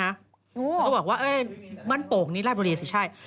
มันต้องบอกว่าบ้านโป่งราชบุรีสิใช่